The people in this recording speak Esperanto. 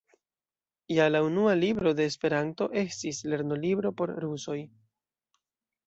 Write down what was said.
Ja la unua libro de Esperanto estis lerno-libro por rusoj.